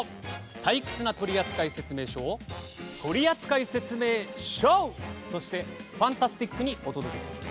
退屈な取扱説明書を取扱説明ＳＨＯＷとしてファンタスティックにお届けする。